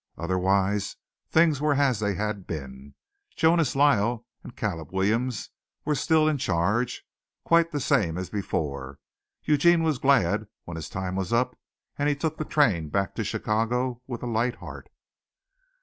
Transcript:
Otherwise things were as they had been. Jonas Lyle and Caleb Williams were still in charge quite the same as before. Eugene was glad when his time was up, and took the train back to Chicago with a light heart.